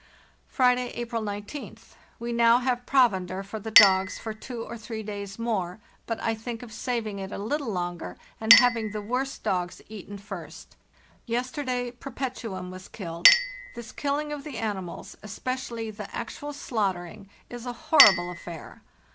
"Friday, April r9th. We now have provender for the dogs for two or three days more, but I think of sav g it a little longer and having the worst dogs eaten in first. Yesterday ' Perpetuum' was killed. This killing of the animals, especially the actual slaughtering, is a horri ble affair.